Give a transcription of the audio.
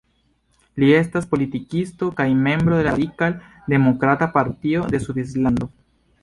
Li estas politikisto kaj membro de la Radikal-demokrata partio de Svislando.